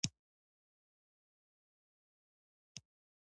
موټروان د شا لخوا راته نارې کړل: دی څنګه دی؟